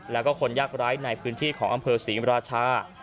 แล้วก็คนยากไร้ในพื้นที่ของอำเภอศรีมราชา